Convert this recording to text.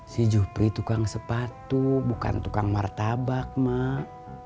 si juhri tukang sepatu bukan tukang martabak mak